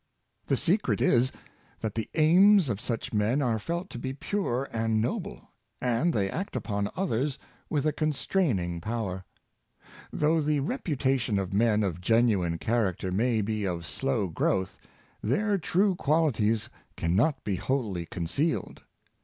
The secret is, that the aims of such men are felt to be pure and noble, and they act upon others with a constraining power. Though the reputation of men of genuine character may be of slow growth, their true qualities can not be wholly concealed.